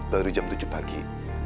baru jam tujuh pagi